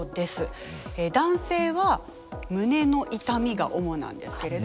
男性は胸の痛みが主なんですけれど。